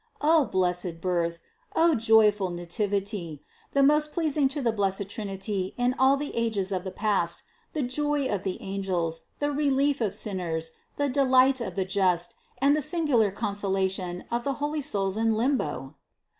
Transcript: O blessed birth! O joyful nativity ! The most pleasing to the blessed Trinity in all the ages of the past, the joy of the angels, the relief of sinners, the delight of the just, and the singular consola tion of all the holy souls in limbo